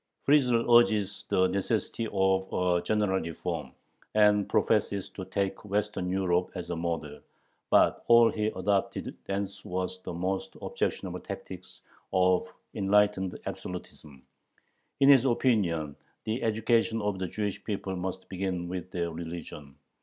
Friesel urges the necessity of a "general reform," and professes to take Western Europe as a model, but all he adopted thence was the most objectionable tactics of "enlightened absolutism." In his opinion "the education of the Jewish people must begin with their religion."